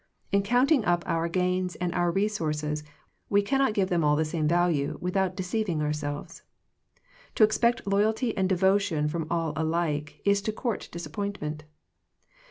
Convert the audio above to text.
In counting up our gains and our re* sources, we cannot give them all the same value, without deceiving ourselves. To expect loyalty and devotion from all alike is to court disappointment.